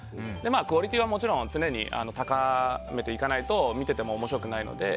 クオリティーはもちろん常に高めていかないと見ていても面白くないので。